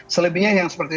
selebihnya yang seperti